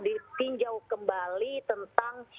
ditinjau kembali tentang